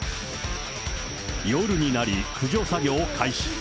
夜になり、駆除作業開始。